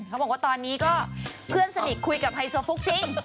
เขาบอกว่าตอนนี้ก็เพื่อนสนิทคุยกับไฮโซฟุกจริง